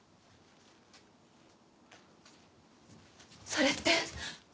それって！？